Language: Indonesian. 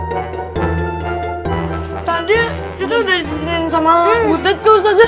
tadi kita udah diizinin sama putet ke ustazah